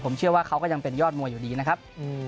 ผมเชื่อว่าเขาก็ยังเป็นยอดมวยอยู่ดีนะครับ